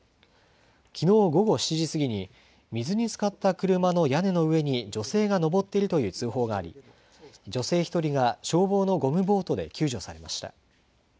きのう午後７時過ぎに、水につかった車の屋根の上に女性が登っているという通報があり、女性１人が消防のゴムボートで救助されました。